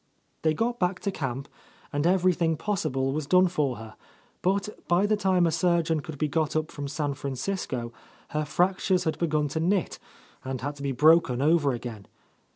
They got back to camp, and everything possible was done for her, but by the time a surgeon could be got up from San Francisco, her fractures had begun to knit and had to be broken over again.